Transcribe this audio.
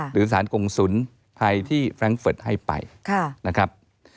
หรือศาลกงสุรไทยที่เฟรานกเฟิร์ตให้ไปนะครับ